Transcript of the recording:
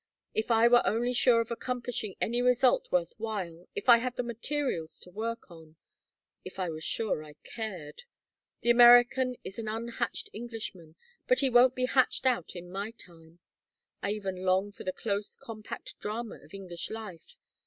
If I were only sure of accomplishing any result worth while, if I had the materials to work on if I were sure I cared! The American is an unhatched Englishman, but he won't be hatched out in my time I even long for the close compact drama of English life.